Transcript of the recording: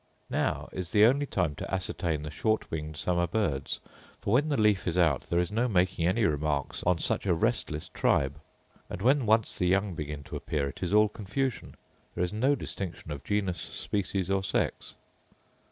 Now is the only time to ascertain the short winged summer birds; for, when the leaf is out, there is no making any remarks on such a restless tribe; and, when once the young begin to appear, it is all confusion: there is no distinction of genus, species, or sex.